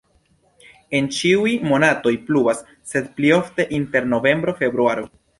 En ĉiuj monatoj pluvas, sed pli ofte inter novembro-februaro.